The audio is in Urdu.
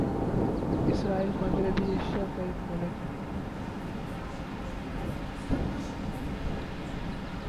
اسرائیل مغربی ایشیا کا ایک ملک ہے